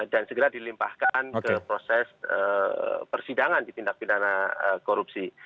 dan segera dilimpahkan ke proses persidangan di tindak pidana korupsi